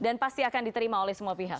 dan pasti akan diterima oleh semua pihak